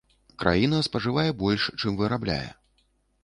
Краіна спажывае больш, чым вырабляе.